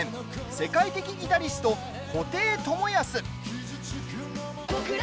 世界的ギタリスト、布袋寅泰。